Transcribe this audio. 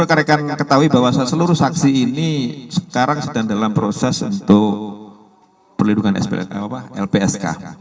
rekan rekan ketahui bahwa seluruh saksi ini sekarang sedang dalam proses untuk perlindungan lpsk